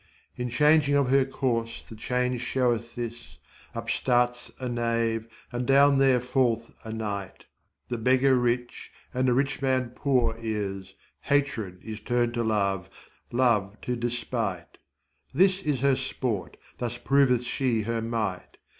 In changing of her course the change shew'th this, Up start'th a knave and down there fall'th a knight, The beggar rich and the rich man poor is, Hatred is turned to love, love to despight;16 This is her sport, thus proveth she her might.